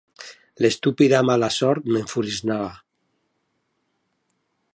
L'estúpida mala sort m'enfurismava